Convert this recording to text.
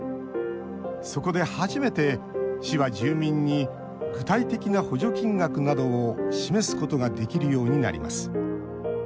そこで初めて、市は住民に具体的な補助金額などを示すことができるようになります。